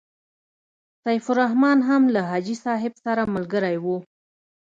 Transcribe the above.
سیف الرحمن هم له حاجي صاحب سره ملګری وو.